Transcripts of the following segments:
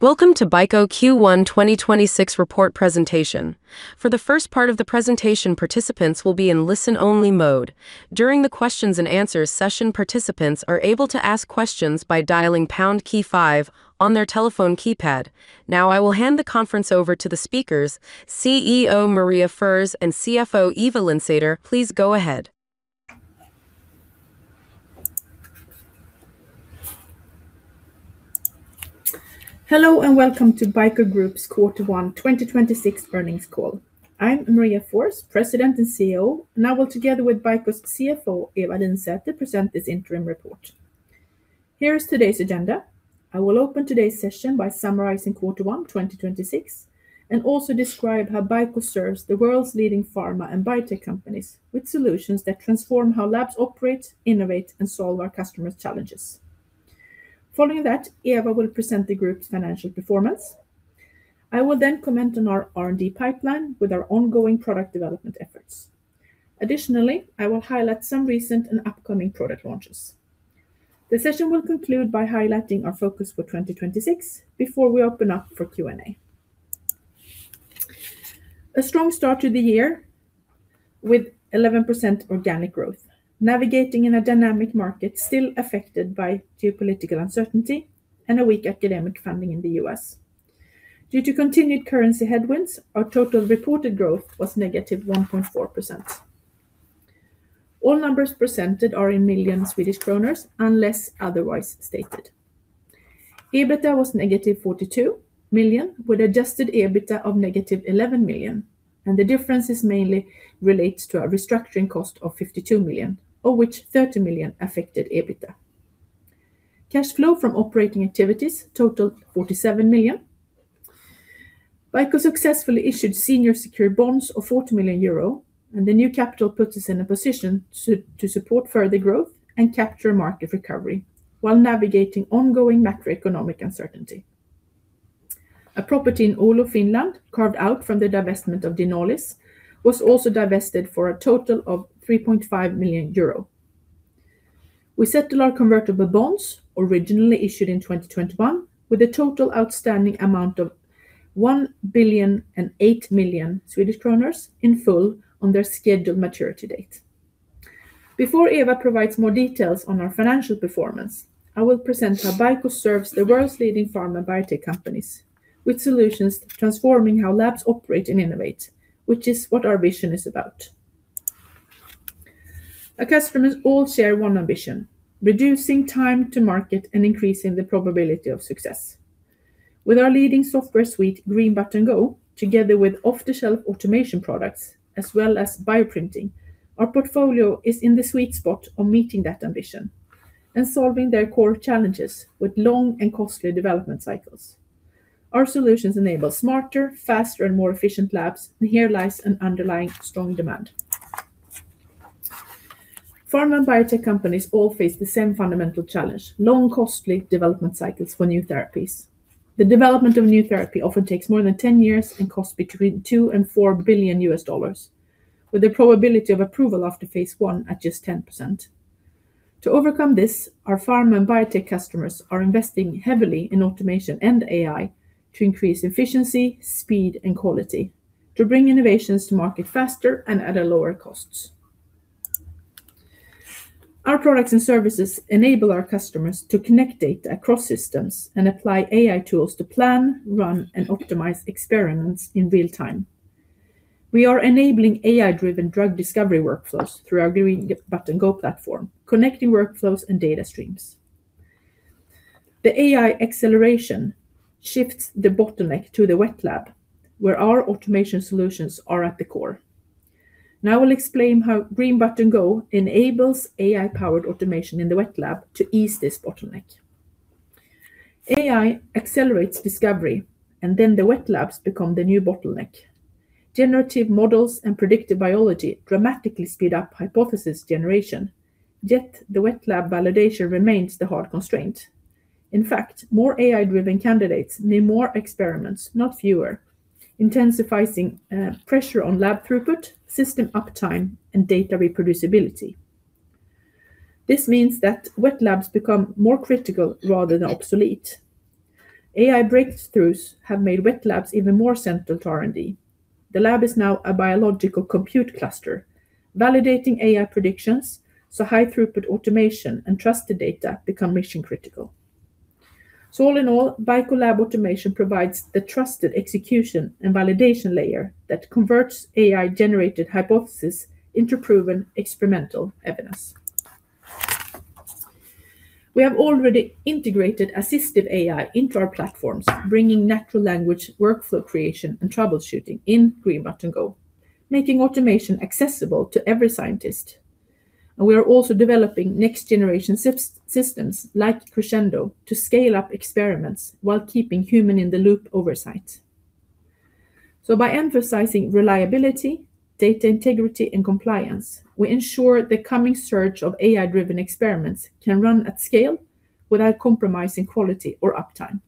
Welcome to BICO Q1 2026 report presentation. For the first part of the presentation, participants will be in listen-only mode. During the questions and answers session, participants are able to ask questions by dialing pound key five on their telephone keypad. Now, I will hand the conference over to the speakers, CEO Maria Forss and CFO Ewa Linsäter. Please go ahead. Hello, welcome to BICO Group's Quarter 1 2026 earnings call. I'm Maria Forss, President and CEO, and I will, together with BICO's CFO, Ewa Linsäter, present this interim report. Here is today's agenda. I will open today's session by summarizing Quarter 1 2026 and also describe how BICO serves the world's leading pharma and biotech companies with solutions that transform how labs operate, innovate, and solve our customers' challenges. Following that, Ewa will present the group's financial performance. I will then comment on our R&D pipeline with our ongoing product development efforts. Additionally, I will highlight some recent and upcoming product launches. The session will conclude by highlighting our focus for 2026 before we open up for Q&A. A strong start to the year with 11% organic growth, navigating in a dynamic market still affected by geopolitical uncertainty and a weak academic funding in the U.S. Due to continued currency headwinds, our total reported growth was negative 1.4%. All numbers presented are in million Swedish kronors, unless otherwise stated. EBITA was negative 42 million, with adjusted EBITA of negative 11 million, and the differences mainly relates to a restructuring cost of 52 million, of which 30 million affected EBITA. Cash flow from operating activities totaled 47 million. BICO successfully issued senior secure bonds of 40 million euro, and the new capital puts us in a position to support further growth and capture market recovery while navigating ongoing macroeconomic uncertainty. A property in Oulu, Finland, carved out from the divestment of Ginolis, was also divested for a total of 3.5 million euro. We settled our convertible bonds, originally issued in 2021, with a total outstanding amount of 1 billion and 8 million in full on their scheduled maturity date. Before Ewa provides more details on our financial performance, I will present how BICO serves the world's leading pharma biotech companies with solutions transforming how labs operate and innovate, which is what our vision is about. Our customers all share one ambition, reducing time to market and increasing the probability of success. With our leading software suite, Green Button Go, together with off-the-shelf automation products as well as bioprinting, our portfolio is in the sweet spot of meeting that ambition and solving their core challenges with long and costly development cycles. Our solutions enable smarter, faster, and more efficient labs. Here lies an underlying strong demand. Pharma and biotech companies all face the same fundamental challenge, long, costly development cycles for new therapies. The development of a new therapy often takes more than 10 years and costs between $2 billion and $4 billion U.S. dollars, with the probability of approval after phase I at just 10%. To overcome this, our pharma and biotech customers are investing heavily in automation and AI to increase efficiency, speed, and quality to bring innovations to market faster and at a lower cost. Our products and services enable our customers to connect data across systems and apply AI tools to plan, run, and optimize experiments in real time. We are enabling AI-driven drug discovery workflows through our Green Button Go platform, connecting workflows and data streams. The AI acceleration shifts the bottleneck to the wet lab, where our automation solutions are at the core. I will explain how Green Button Go enables AI-powered automation in the wet lab to ease this bottleneck. AI accelerates discovery, the wet labs become the new bottleneck. Generative models and predictive biology dramatically speed up hypothesis generation, yet the wet lab validation remains the hard constraint. In fact, more AI-driven candidates need more experiments, not fewer, intensifying pressure on lab throughput, system uptime, and data reproducibility. This means that wet labs become more critical rather than obsolete. AI breakthroughs have made wet labs even more central to R&D. The lab is now a biological compute cluster, validating AI predictions, high throughput automation and trusted data become mission-critical. All in all, BICO lab automation provides the trusted execution and validation layer that converts AI-generated hypothesis into proven experimental evidence. We have already integrated assistive AI into our platforms, bringing natural language workflow creation and troubleshooting in Green Button Go, making automation accessible to every scientist. We are also developing next-generation systems like Crescendo to scale up experiments while keeping human in the loop oversight. By emphasizing reliability, data integrity, and compliance, we ensure the coming surge of AI-driven experiments can run at scale without compromising quality or uptime.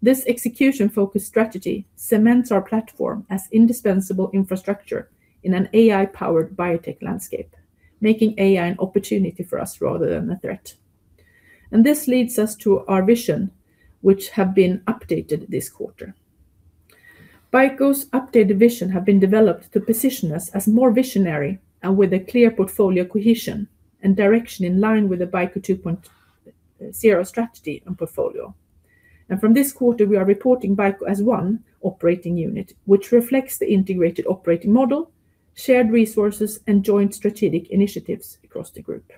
This execution-focused strategy cements our platform as indispensable infrastructure in an AI-powered biotech landscape. Making AI an opportunity for us rather than a threat. This leads us to our vision, which have been updated this quarter. BICO's updated vision have been developed to position us as more visionary and with a clear portfolio cohesion and direction in line with the BICO 2.0 strategy and portfolio. From this quarter, we are reporting BICO as one operating unit, which reflects the integrated operating model, shared resources, and joint strategic initiatives across the group.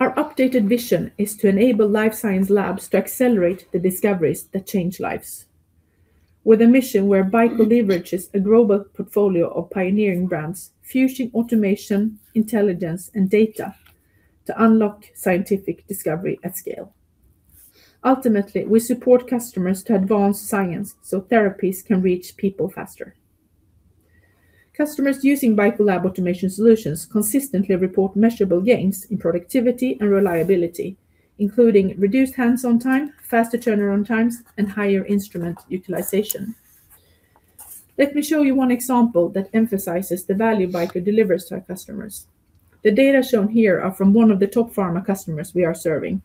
Our updated vision is to enable life science labs to accelerate the discoveries that change lives. With a mission where BICO leverages a global portfolio of pioneering brands, fusing automation, intelligence, and data to unlock scientific discovery at scale. Ultimately, we support customers to advance science so therapies can reach people faster. Customers using BICO lab automation solutions consistently report measurable gains in productivity and reliability, including reduced hands-on time, faster turnaround times, and higher instrument utilization. Let me show you one example that emphasizes the value BICO delivers to our customers. The data shown here are from one of the top pharma customers we are serving,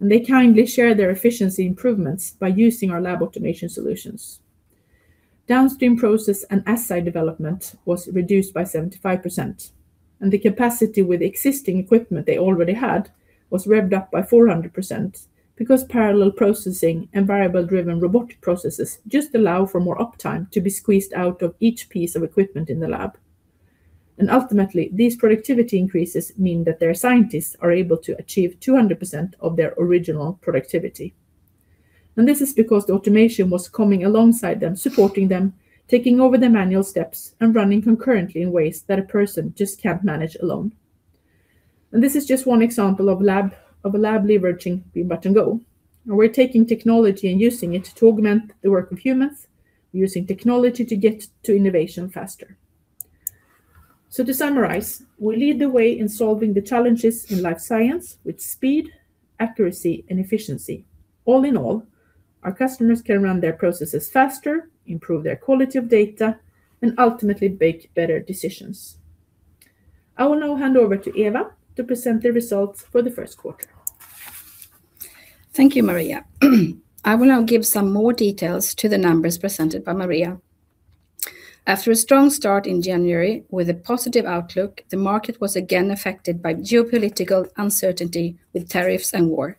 and they kindly share their efficiency improvements by using our lab automation solutions. Downstream process and assay development was reduced by 75%, and the capacity with existing equipment they already had was revved up by 400% because parallel processing and variable-driven robotic processes just allow for more uptime to be squeezed out of each piece of equipment in the lab. Ultimately, these productivity increases mean that their scientists are able to achieve 200% of their original productivity. This is because the automation was coming alongside them, supporting them, taking over the manual steps, and running concurrently in ways that a person just can't manage alone. This is just one example of lab, of a lab leveraging Green Button Go. We're taking technology and using it to augment the work of humans, using technology to get to innovation faster. To summarize, we lead the way in solving the challenges in life science with speed, accuracy, and efficiency. All in all, our customers can run their processes faster, improve their quality of data, and ultimately make better decisions. I will now hand over to Ewa Linsäter to present the results for the first quarter. Thank you, Maria. I will now give some more details to the numbers presented by Maria. After a strong start in January with a positive outlook, the market was again affected by geopolitical uncertainty with tariffs and war.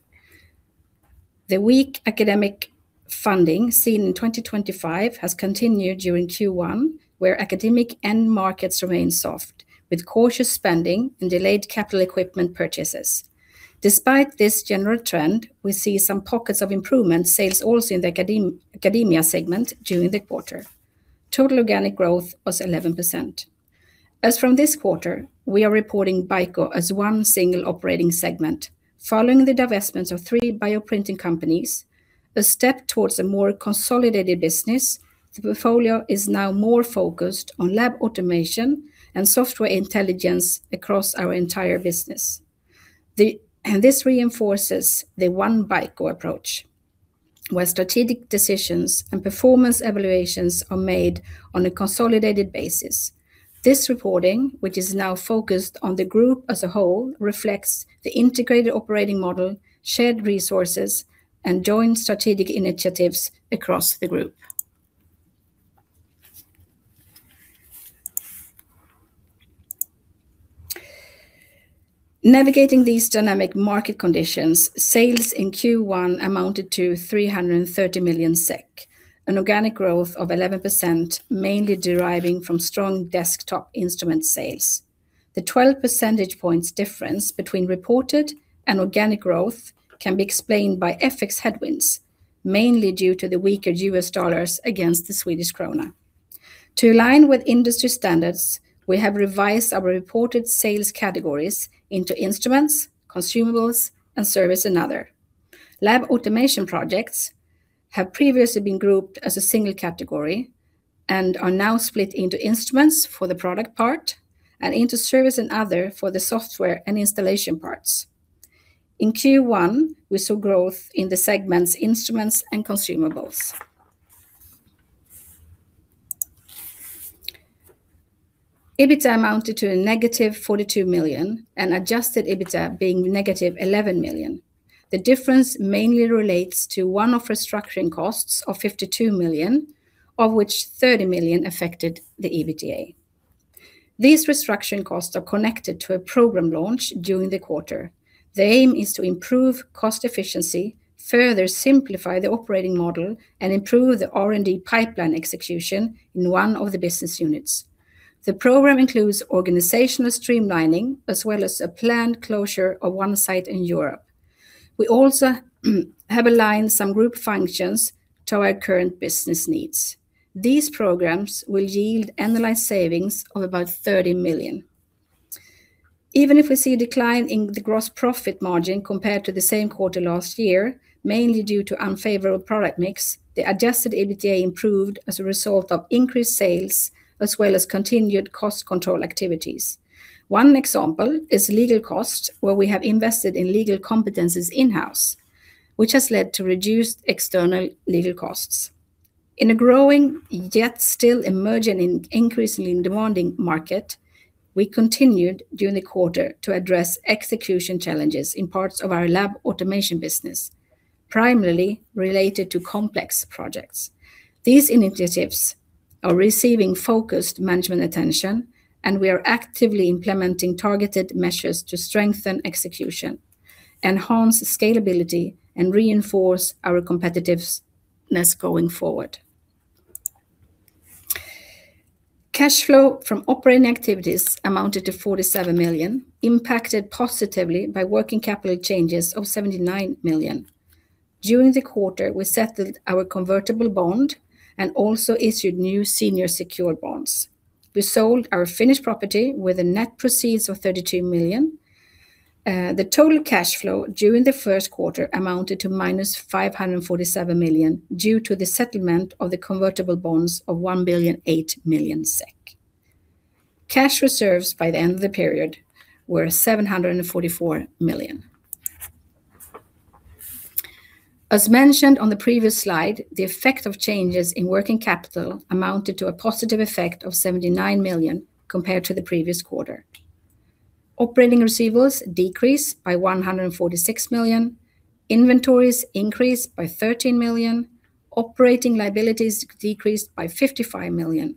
The weak academic funding seen in 2025 has continued during Q1, where academic end markets remain soft, with cautious spending and delayed capital equipment purchases. Despite this general trend, we see some pockets of improvement sales also in the academia segment during the quarter. Total organic growth was 11%. As from this quarter, we are reporting BICO as 1 single operating segment. Following the divestments of 3 bioprinting companies, a step towards a more consolidated business, the portfolio is now more focused on lab automation and software intelligence across our entire business. This reinforces the One BICO approach, where strategic decisions and performance evaluations are made on a consolidated basis. This reporting, which is now focused on the group as a whole, reflects the integrated operating model, shared resources, and joint strategic initiatives across the group. Navigating these dynamic market conditions, sales in Q1 amounted to 330 million SEK, an organic growth of 11% mainly deriving from strong desktop instrument sales. The 12 percentage points difference between reported and organic growth can be explained by FX headwinds, mainly due to the weaker U.S. dollars against the Swedish krona. To align with industry standards, we have revised our reported sales categories into instruments, consumables, and service and other. Lab automation projects have previously been grouped as a single category and are now split into instruments for the product part and into service and other for the software and installation parts. In Q1, we saw growth in the segments instruments and consumables. EBITDA amounted to a negative 42 million, adjusted EBITDA being negative 11 million. The difference mainly relates to one-off restructuring costs of 52 million, of which 30 million affected the EBITDA. These restructuring costs are connected to a program launch during the quarter. The aim is to improve cost efficiency, further simplify the operating model, and improve the R&D pipeline execution in one of the business units. The program includes organizational streamlining as well as a planned closure of one site in Europe. We also have aligned some group functions to our current business needs. These programs will yield annualized savings of about 30 million. Even if we see a decline in the gross profit margin compared to the same quarter last year, mainly due to unfavorable product mix, the adjusted EBITDA improved as a result of increased sales as well as continued cost control activities. One example is legal costs, where we have invested in legal competencies in-house, which has led to reduced external legal costs. In a growing, yet still emerging and increasingly demanding market, we continued during the quarter to address execution challenges in parts of our lab automation business, primarily related to complex projects. These initiatives are receiving focused management attention, and we are actively implementing targeted measures to strengthen execution, enhance scalability, and reinforce our competitiveness going forward. Cash flow from operating activities amounted to 47 million, impacted positively by working capital changes of 79 million. During the quarter, we settled our convertible bond and also issued new senior secured bonds. We sold our Finnish property with a net proceeds of 32 million. The total cash flow during the first quarter amounted to minus 547 million due to the settlement of the convertible bonds of 1,008 million SEK. Cash reserves by the end of the period were 744 million. As mentioned on the previous slide, the effect of changes in working capital amounted to a positive effect of 79 million compared to the previous quarter. Operating receivables decreased by 146 million. Inventories increased by 13 million. Operating liabilities decreased by 55 million.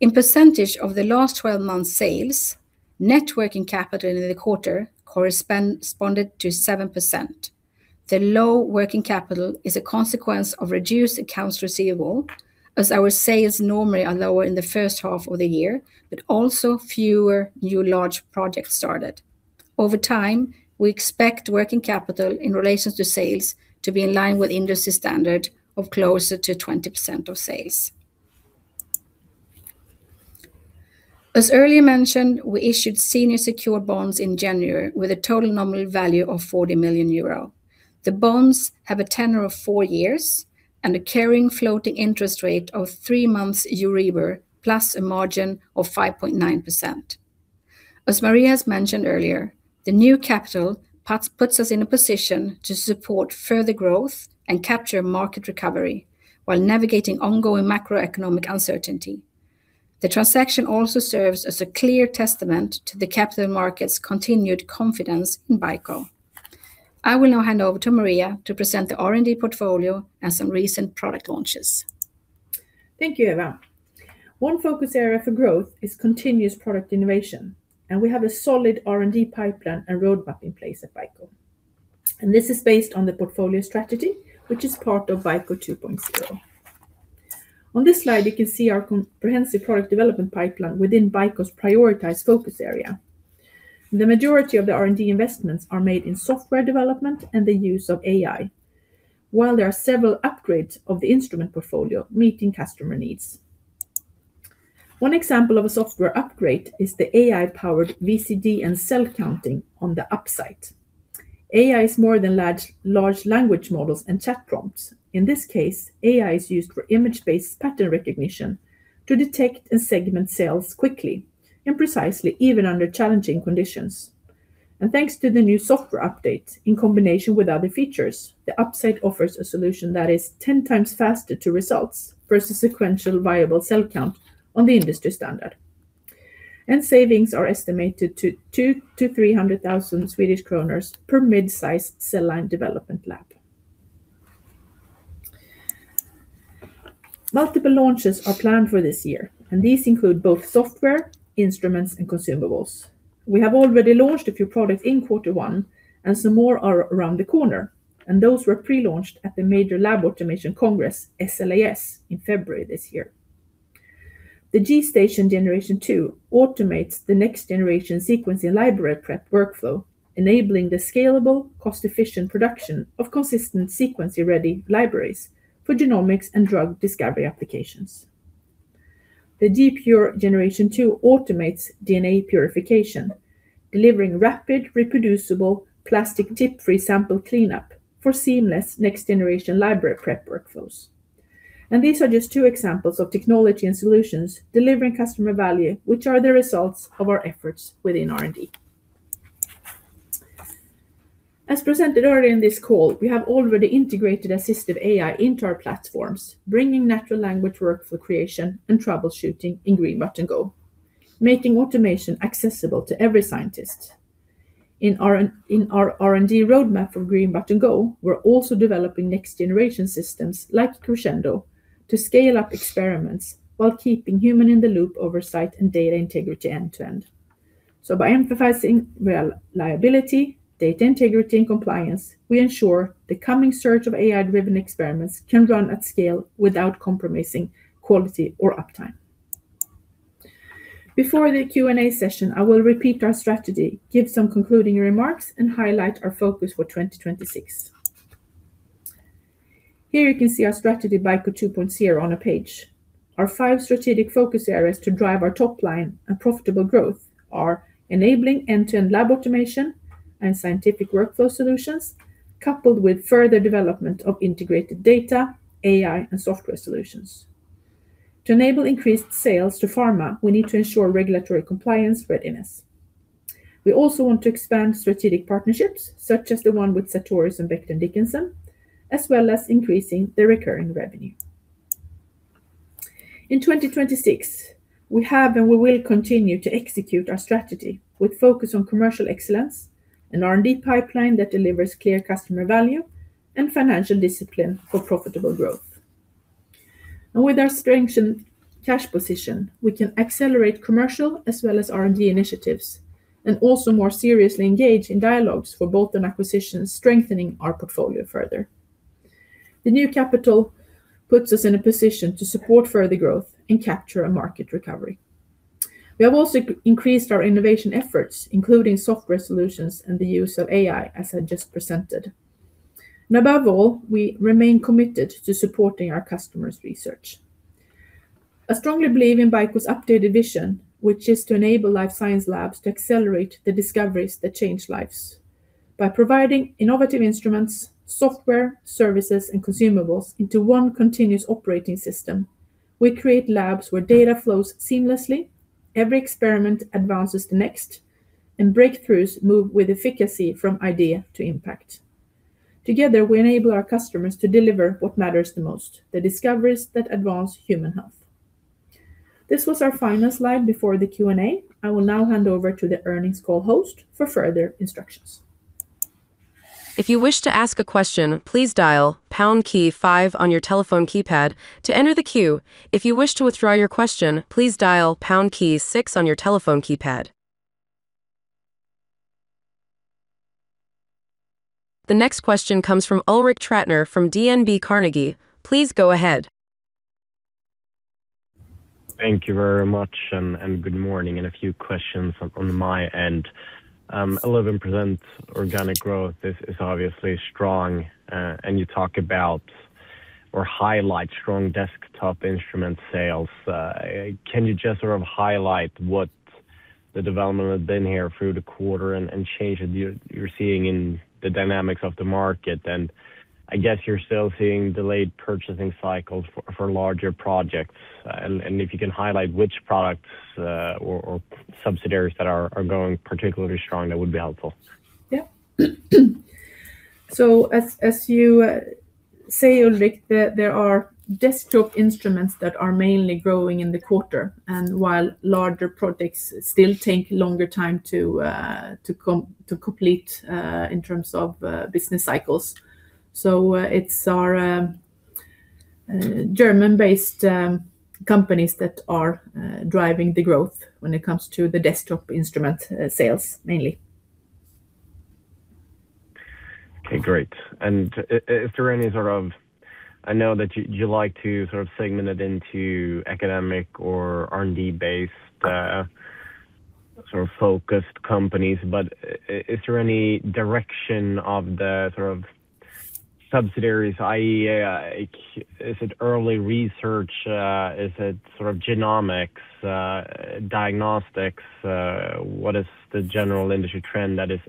In percentage of the last 12 months' sales, net working capital in the quarter corresponded to 7%. The low working capital is a consequence of reduced accounts receivable, as our sales normally are lower in the first half of the year, but also fewer new large projects started. Over time, we expect working capital in relations to sales to be in line with industry standard of closer to 20% of sales. As earlier mentioned, we issued senior secured bonds in January with a total nominal value of 40 million euro. The bonds have a tenure of four years and a carrying floating interest rate of three months Euribor, plus a margin of 5.9%. As Maria has mentioned earlier, the new capital puts us in a position to support further growth and capture market recovery while navigating ongoing macroeconomic uncertainty. The transaction also serves as a clear testament to the capital market's continued confidence in BICO. I will now hand over to Maria to present the R&D portfolio and some recent product launches. Thank you, Ewa. One focus area for growth is continuous product innovation. We have a solid R&D pipeline and roadmap in place at BICO. This is based on the portfolio strategy, which is part of BICO 2.0. On this slide, you can see our comprehensive product development pipeline within BICO's prioritized focus area. The majority of the R&D investments are made in software development and the use of AI, while there are several upgrades of the instrument portfolio meeting customer needs. One example of a software upgrade is the AI-powered VCD and cell counting on the UP.SIGHT. AI is more than large language models and chat prompts. In this case, AI is used for image-based pattern recognition to detect and segment cells quickly and precisely, even under challenging conditions. Thanks to the new software update, in combination with other features, the UP.SIGHT offers a solution that is 10 times faster to results versus sequential viable cell count on the industry standard. Savings are estimated to 200,000-300,000 Swedish kronor per mid-sized cell line development lab. Multiple launches are planned for this year, these include both software, instruments, and consumables. We have already launched a few products in Q1, some more are around the corner, those were pre-launched at the major lab automation congress, SLAS, in February this year. The G.STATION GEN 2 automates the next-generation sequencing library prep workflow, enabling the scalable, cost-efficient production of consistent sequencing-ready libraries for genomics and drug discovery applications. The G.PURE GEN 2 automates DNA purification, delivering rapid, reproducible plastic tip-free sample cleanup for seamless next-generation library prep workflows. These are just two examples of technology and solutions delivering customer value, which are the results of our efforts within R&D. As presented earlier in this call, we have already integrated assistive AI into our platforms, bringing natural language workflow creation and troubleshooting in Green Button Go, making automation accessible to every scientist. In our R&D roadmap for Green Button Go, we're also developing next-generation systems like Crescendo to scale up experiments while keeping human-in-the-loop oversight and data integrity end to end. By emphasizing reliability, data integrity, and compliance, we ensure the coming surge of AI-driven experiments can run at scale without compromising quality or uptime. Before the Q&A session, I will repeat our strategy, give some concluding remarks, and highlight our focus for 2026. Here you can see our strategy, BICO 2.0, on a page. Our five strategic focus areas to drive our top line and profitable growth are enabling end-to-end lab automation and scientific workflow solutions, coupled with further development of integrated data, AI, and software solutions. To enable increased sales to pharma, we need to ensure regulatory compliance readiness. We also want to expand strategic partnerships, such as the one with Sartorius and Becton, Dickinson, as well as increasing the recurring revenue. In 2026, we have and we will continue to execute our strategy with focus on commercial excellence and R&D pipeline that delivers clear customer value and financial discipline for profitable growth. With our strengthened cash position, we can accelerate commercial as well as R&D initiatives, and also more seriously engage in dialogues for both an acquisition strengthening our portfolio further. The new capital puts us in a position to support further growth and capture a market recovery. We have also increased our innovation efforts, including software solutions and the use of AI, as I just presented. Above all, we remain committed to supporting our customers' research. I strongly believe in BICO's updated vision, which is to enable life science labs to accelerate the discoveries that change lives. By providing innovative instruments, software, services, and consumables into one continuous operating system, we create labs where data flows seamlessly, every experiment advances the next, and breakthroughs move with efficacy from idea to impact. Together, we enable our customers to deliver what matters the most, the discoveries that advance human health. This was our final slide before the Q&A. I will now hand over to the earnings call host for further instructions. If you wish to ask a question please dial pound key five on your telephone keypad to enter the queue, if you wish to widthdraw your questions please dial pound key six on your telephone keypad. The next question comes from Ulrik Trattner from DNB Carnegie. Please go ahead. Thank you very much, good morning, and a few questions on my end. 11% organic growth is obviously strong, and you talk about or highlight strong desktop instrument sales. Can you just sort of highlight what the development has been here through the quarter and changes you're seeing in the dynamics of the market? I guess you're still seeing delayed purchasing cycles for larger projects. If you can highlight which products or subsidiaries that are going particularly strong, that would be helpful. As you say, Ulrik, there are desktop instruments that are mainly growing in the quarter, and while larger projects still take longer time to complete in terms of business cycles. It's our German-based companies that are driving the growth when it comes to the desktop instrument sales mainly. Okay, great. If there are any sort of I know that you like to sort of segment it into academic or R&D-based, sort of focused companies, but is there any direction of the sort of subsidiaries, i.e., is it early research? Is it sort of genomics, diagnostics? What is the general industry trend that is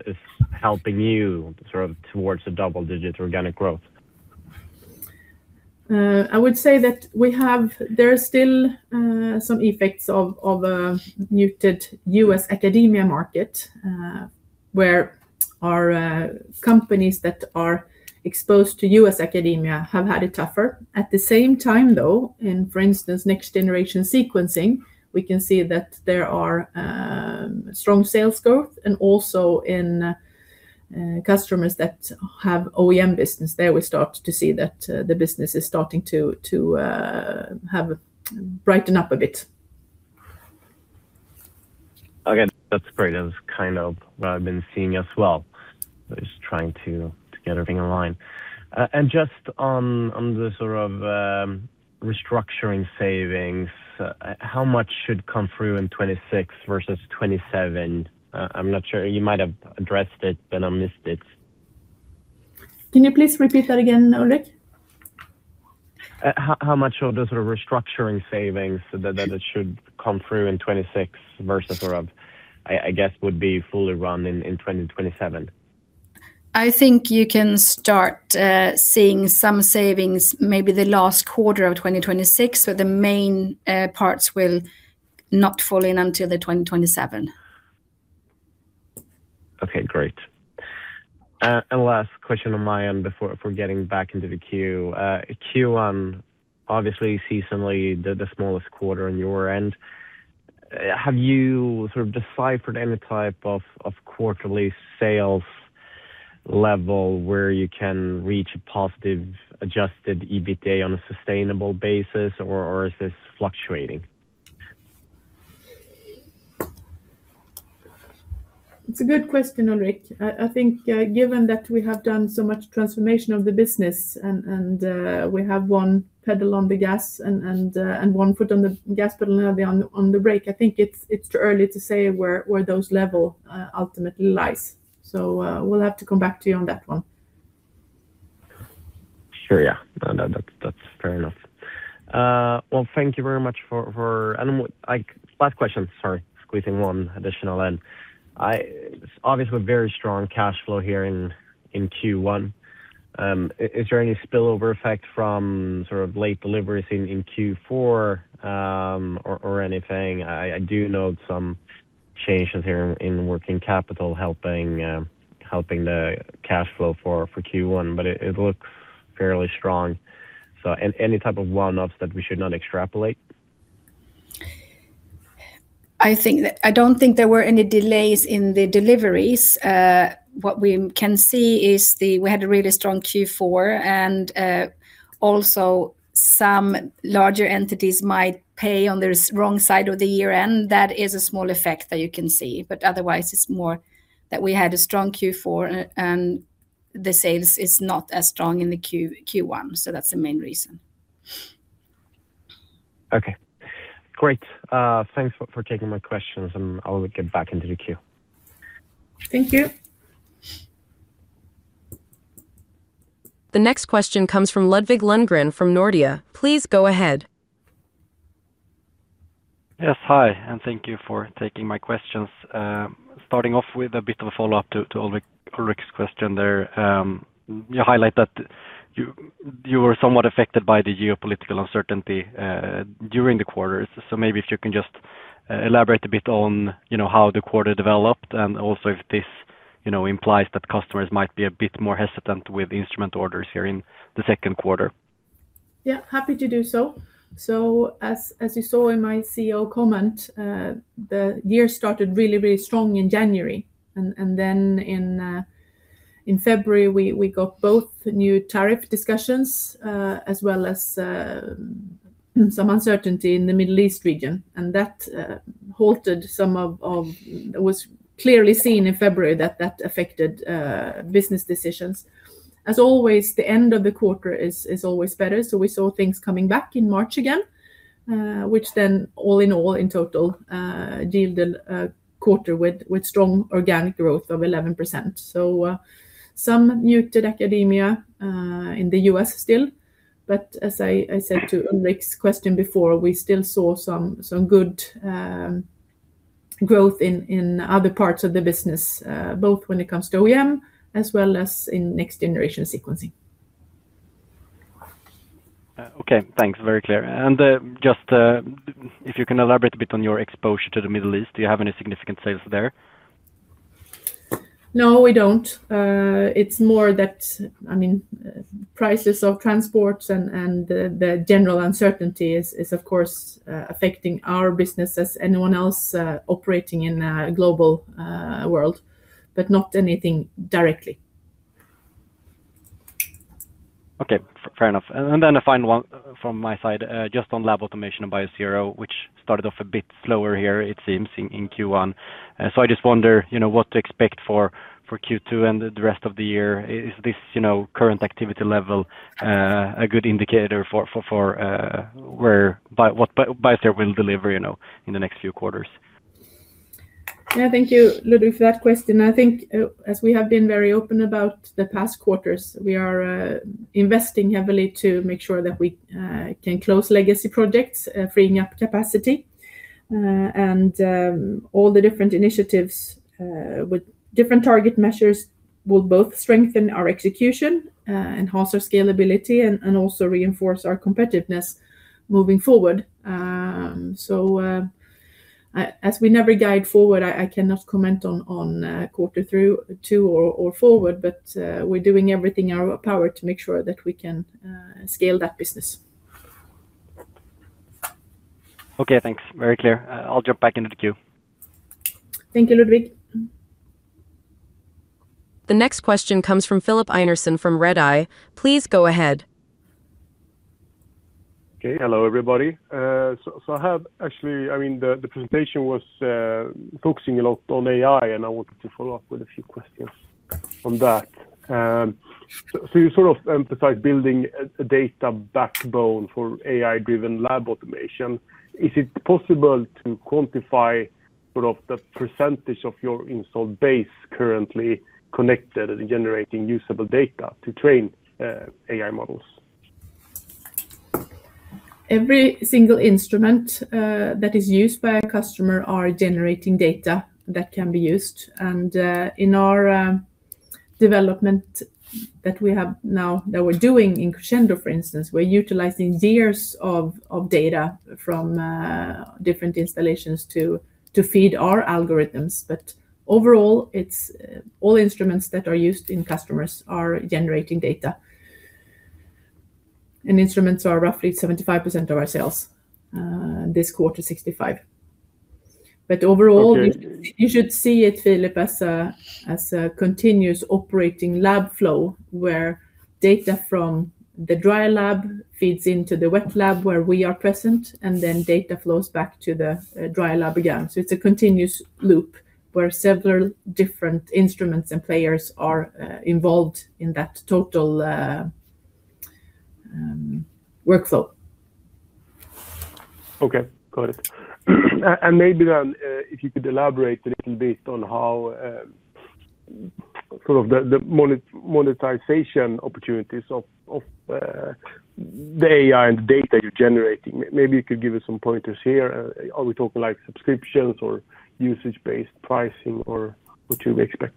helping you sort of towards the double-digit organic growth? I would say that there are still some effects of a muted U.S. academia market, where our companies that are exposed to U.S. academia have had it tougher. At the same time, though, in, for instance, next-generation sequencing, we can see that there are strong sales growth and also in customers that have OEM business. There we start to see that the business is starting to brighten up a bit. Again, that's great. That's kind of what I've been seeing as well. I was trying to get everything in line. Just on the sort of restructuring savings, how much should come through in 2026 versus 2027? I'm not sure. You might have addressed it, but I missed it. Can you please repeat that again, Ulrik? How much of the sort of restructuring savings that should come through in 2026 versus sort of, I guess, would be fully run in 2027? I think you can start seeing some savings maybe the last quarter of 2026, but the main parts will not fall in until 2027. Okay, great. Last question on my end before getting back into the queue. Q1, obviously seasonally the smallest quarter on your end. Have you sort of deciphered any type of quarterly sales level where you can reach a positive adjusted EBITA on a sustainable basis, or is this fluctuating? It's a good question, Ulrik. I think, given that we have done so much transformation of the business and we have one pedal on the gas and one foot on the gas pedal and the other on the brake, I think it's too early to say where those level ultimately lies. We'll have to come back to you on that one. Sure, yeah. No, that's fair enough. Well, thank you very much for. Last question. Sorry, squeezing one additional in. Obviously very strong cash flow here in Q1. Is there any spillover effect from sort of late deliveries in Q4 or anything? I do note some changes here in working capital helping helping the cash flow for Q1, but it looks fairly strong. Any type of one-offs that we should not extrapolate? I think that I don't think there were any delays in the deliveries. What we can see is we had a really strong Q4 and also some larger entities might pay on the wrong side of the year end. That is a small effect that you can see. Otherwise, it's more that we had a strong Q4 and the sales is not as strong in the Q1. That's the main reason. Okay. Great. Thanks for taking my questions. I'll get back into the queue. Thank you. The next question comes from Ludvig Lundgren from Nordea. Please go ahead. Yes. Hi, thank you for taking my questions. Starting off with a bit of a follow-up to Ulrik's question there. You highlight that you were somewhat affected by the geopolitical uncertainty during the quarter. Maybe if you can just elaborate a bit on, you know, how the quarter developed and also if this, you know, implies that customers might be a bit more hesitant with instrument orders here in the second quarter. Yeah, happy to do so. As you saw in my CEO comment, the year started really strong in January and then in February, we got both new tariff discussions as well as some uncertainty in the Middle East region. It was clearly seen in February that that affected business decisions. As always, the end of the quarter is always better, we saw things coming back in March again, which then all in all in total yielded a quarter with strong organic growth of 11%. Some muted academia in the U.S. still. As I said to Ulrik's question before, we still saw some good growth in other parts of the business, both when it comes to OEM as well as in next-generation sequencing. Okay. Thanks. Very clear. Just, if you can elaborate a bit on your exposure to the Middle East. Do you have any significant sales there? No, we don't. It's more that, I mean, prices of transports and the general uncertainty is of course affecting our business as anyone else, operating in a global world, but not anything directly. Okay. Fair enough. Then a final one from my side, just on lab automation and Biosero, which started off a bit slower here, it seems in Q1. I just wonder, you know, what to expect for Q2 and the rest of the year. Is this, you know, current activity level, a good indicator for Biosero will deliver, you know, in the next few quarters? Yeah. Thank you, Ludvig, for that question. I think, as we have been very open about the past quarters, we are investing heavily to make sure that we can close legacy projects, freeing up capacity. All the different initiatives with different target measures will both strengthen our execution, enhance our scalability and also reinforce our competitiveness moving forward. As we never guide forward, I cannot comment on quarter two or forward, but we're doing everything in our power to make sure that we can scale that business. Okay. Thanks. Very clear. I'll jump back into the queue. Thank you, Ludvig. The next question comes from Filip Einarsson from Redeye. Please go ahead. Okay. Hello, everybody. I mean, the presentation was focusing a lot on AI, and I wanted to follow up with a few questions on that. You sort of emphasized building a data backbone for AI-driven lab automation. Is it possible to quantify sort of the percentage of your installed base currently connected and generating usable data to train AI models? Every single instrument that is used by a customer are generating data that can be used. In our development that we have now, that we're doing in Crescendo, for instance, we're utilizing years of data from different installations to feed our algorithms. Overall, it's all instruments that are used in customers are generating data. Instruments are roughly 75% of our sales. This quarter, 65%. Okay. You should see it, Filip, as a continuous operating lab flow where data from the dry lab feeds into the wet lab where we are present, and then data flows back to the dry lab again. It's a continuous loop where several different instruments and players are involved in that total workflow. Okay. Got it. Maybe then, if you could elaborate a little bit on how, sort of the monetization opportunities of the AI and data you're generating. Maybe you could give us some pointers here. Are we talking like subscriptions or usage-based pricing or what should we expect?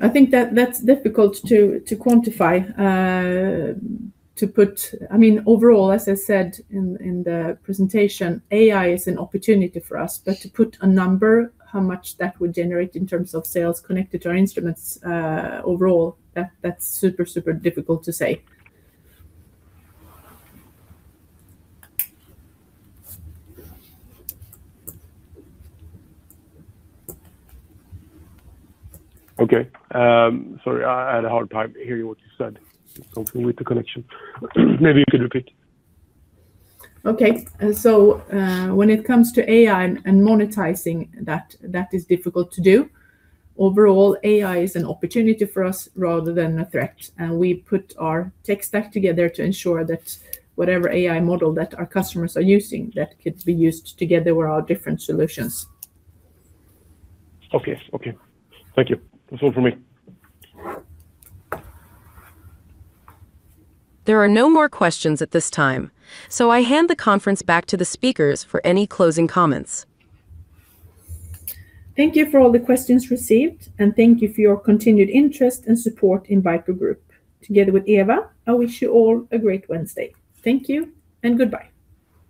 I think that's difficult to quantify. I mean, overall, as I said in the presentation, AI is an opportunity for us. To put a number how much that would generate in terms of sales connected to our instruments, overall, that's super difficult to say. Okay. Sorry, I had a hard time hearing what you said. Something with the connection. Maybe you could repeat. Okay. When it comes to AI and monetizing that is difficult to do. Overall, AI is an opportunity for us rather than a threat, and we put our tech stack together to ensure that whatever AI model that our customers are using, that could be used together with our different solutions. Okay. Okay. Thank you. That's all for me. There are no more questions at this time, so I hand the conference back to the speakers for any closing comments. Thank you for all the questions received. Thank you for your continued interest and support in BICO Group. Together with Ewa Linsäter, I wish you all a great Wednesday. Thank you and goodbye.